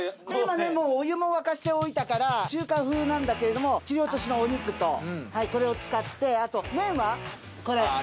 今ねお湯も沸かしておいたから中華風なんだけれども切り落としのお肉とこれを使ってあと麺はこれ。